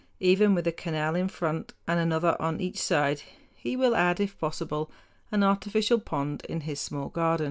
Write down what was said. Even with a canal in front and another on each side he will add, if possible, an artificial pond in his small garden.